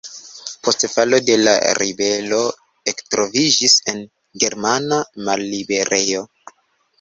Post falo de la ribelo ektroviĝis en germana malliberejo.